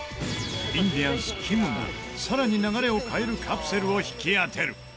インディアンスきむがさらに流れを変えるカプセルを引き当てる。